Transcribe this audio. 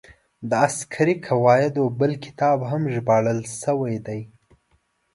د عسکري قواعدو بل کتاب هم ژباړل شوی دی.